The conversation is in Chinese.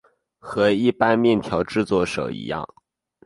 和一般面条制作手一样。